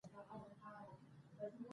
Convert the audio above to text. د عامه لارو پر سر کثافات مه غورځوئ.